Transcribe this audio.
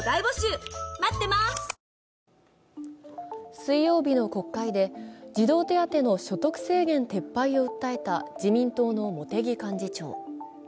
水曜日の国会で、児童手当の所得制限撤廃を求めた自民党の茂木幹事長。